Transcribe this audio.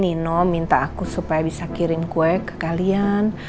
nino minta aku supaya bisa kirim kue ke kalian